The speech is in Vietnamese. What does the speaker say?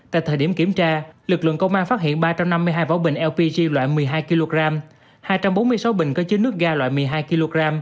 tại thời điểm kiểm tra lực lượng công an phát hiện ba trăm năm mươi hai vỏ bình lpg loại một mươi hai kg hai trăm bốn mươi sáu bình có chứa nước ga loại một mươi hai kg